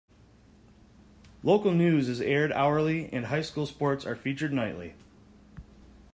Local News is aired hourly and High School Sports are featured nightly.